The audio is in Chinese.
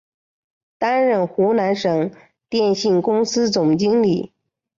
担任湖南省电信公司总经理。